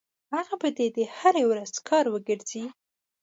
هغه به دې د هرې ورځې کار وګرځي.